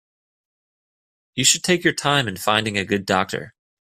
You should take your time in finding a good doctor.